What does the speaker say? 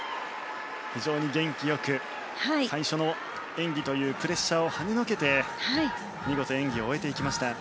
非常に元気よく最初の演技というプレッシャーをはねのけて見事、演技を終えていきました。